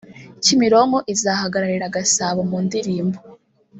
Kimironko izahagararira Gasabo mu ndirimbo